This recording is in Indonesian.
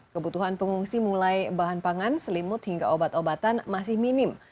kebutuhan pengungsi mulai bahan pangan selimut hingga obat obatan masih minim